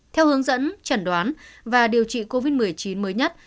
theo hướng dẫn chẩn đoán và điều trị covid một mươi chín mới nhất